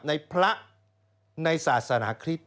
ในพระในศาสนาคริสต